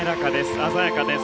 鮮やかです。